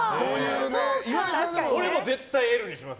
俺はもう絶対Ｌにします。